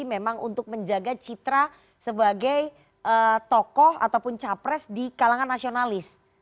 memang untuk menjaga citra sebagai tokoh ataupun capres di kalangan nasionalis